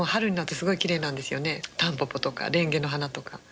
タンポポとかレンゲの花とか。